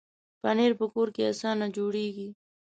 پنېر په کور کې اسانه جوړېږي.